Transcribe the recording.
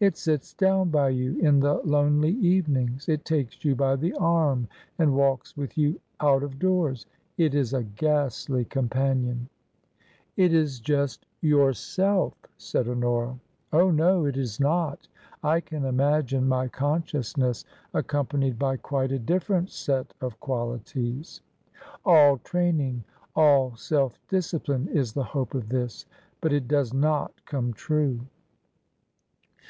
It sits down by you in the lonely evenings : it takes you by the arm and walks with you out of doors. It is a ghastly companion !"" It is ]\x^t yourself^' said Honora. "Oh, no, it is. not! I can imagine my consciousness accompanied by quite a different set of qualities. All training — all self discipline is the hope of this. But it does not come true."